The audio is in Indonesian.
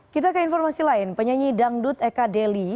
kita ke informasi lain penyanyi dangdut eka deli